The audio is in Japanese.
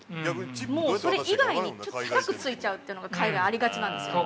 もうそれ以外に高くついちゃうというのが、海外はありがちなんですよ。